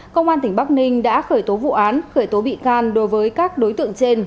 công an tỉnh bắc ninh đã khởi tố vụ án khởi tố bị can đối với các đối tượng trên